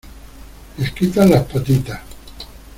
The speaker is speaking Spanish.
les quitas las patitas...